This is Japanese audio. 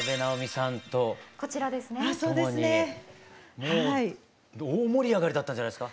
もう大盛り上がりだったんじゃないですか？